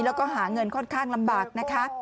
แล้วก็หาเงินค่อนข้างลำบากนะคะ